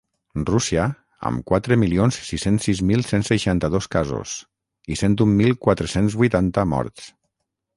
Rússia, amb quatre milions sis-cents sis mil cent seixanta-dos casos i cent un mil quatre-cents vuitanta morts.